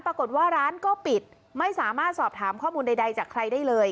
ปรากฏว่าร้านก็ปิดไม่สามารถสอบถามข้อมูลใดจากใครได้เลย